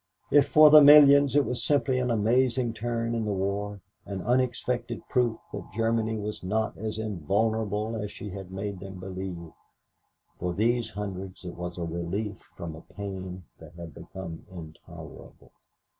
If for the millions it was simply an amazing turn in the war, an unexpected proof that Germany was not as invulnerable as she had made them believe, for these hundreds it was a relief from a pain that had become intolerable.